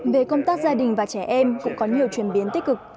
về công tác gia đình và trẻ em cũng có nhiều chuyển biến tích cực